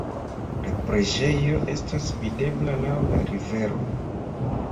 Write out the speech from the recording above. La preĝejo estas videbla laŭ la rivero.